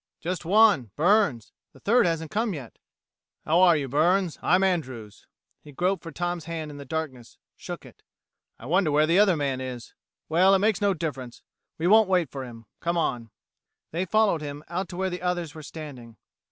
"Just one Burns. The third hasn't come yet." "How are you, Burns? I'm Andrews." He groped for Tom's hand in the darkness, shook it. "I wonder where the other man is. Well, it makes no difference. We won't wait for him. Come on." They followed him, out to where the others were standing.